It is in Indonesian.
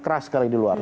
keras sekali di luar